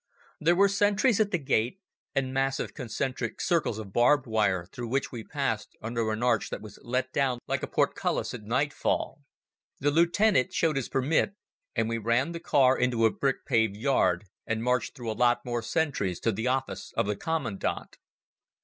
There were sentries at the gate and massive concentric circles of barbed wire through which we passed under an arch that was let down like a portcullis at nightfall. The lieutenant showed his permit, and we ran the car into a brick paved yard and marched through a lot more sentries to the office of the commandant.